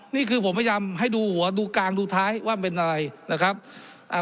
นี่คือผมพยายามให้ดูหัวดูกลางดูท้ายว่ามันเป็นอะไรนะครับอ่า